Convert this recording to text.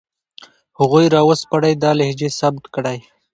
هغوی را وسپړئ، دا لهجې ثبت کړئ